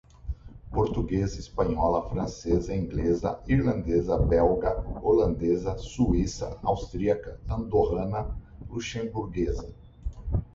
Portuguesa, Espanhola, Francesa, Inglesa, Irlandesa, Belga, Holandesa, Suíça, Austríaca, Andorrana, Luxemburguesa.